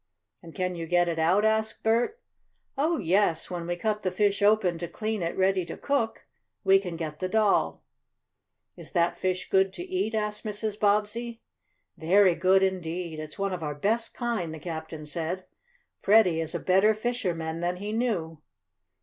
"And can you get it out?" asked Bert. "Oh, yes, when we cut the fish open to clean it ready to cook, we can get the doll." "Is that fish good to eat?" asked Mrs. Bobbsey. "Very good indeed. It's one of our best kind," the captain said. "Freddie is a better fisherman than he knew."